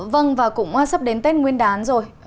vâng và cũng sắp đến tết nguyên đán rồi